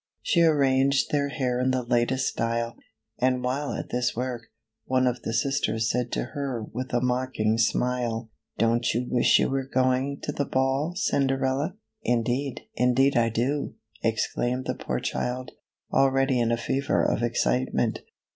She arranged their hair in the latest style, and while at this work, one of the sisters said to her with a mocking smile, " Don't you wish you were going to the ball, Cinderella?" " Indeed, indeed I do!" exclaimed the poor child, already in a fever of excitement.